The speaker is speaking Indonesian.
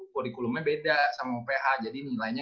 kurikulumnya beda sama uph jadi nilainya